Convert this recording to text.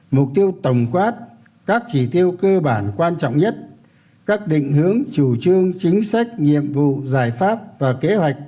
mục tiêu tổng quát các chỉ tiêu cơ bản quan trọng nhất các định hướng chủ trương chính sách nhiệm vụ giải pháp và kế hoạch